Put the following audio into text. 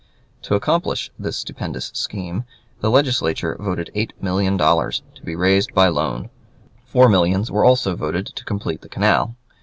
To accomplish this stupendous scheme, the Legislature voted eight million dollars, to be raised by loan. Four millions were also voted to complete the canal.